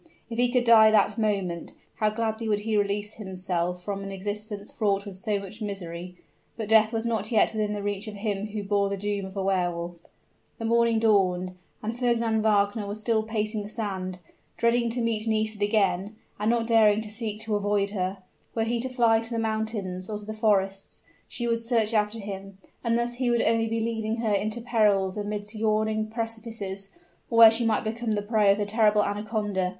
if he could die that moment, how gladly would he release himself from an existence fraught with so much misery; but death was not yet within the reach of him who bore the doom of a Wehr Wolf! The morning dawned, and Fernand Wagner was still pacing the sand dreading to meet Nisida again, and not daring to seek to avoid her. Were he to fly to the mountains or to the forests, she would search after him; and thus he would only be leading her into perils amidst yawning precipices, or where she might become the prey of the terrible anaconda.